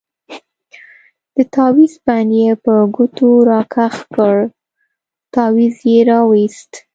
د تاويز بند يې په ګوتو راكښ كړ تاويز يې راوايست.